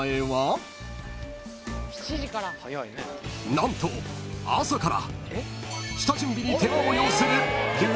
［何と朝から］